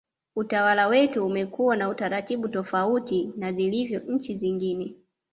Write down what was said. utawala wetu umekuwa na utaratibu tofauti na zilivyo nchi zingine